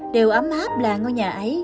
điều ấm áp là ngôi nhà ấy